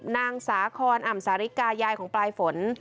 นางสาคอนอ่ำสาริกายายของปลายฝน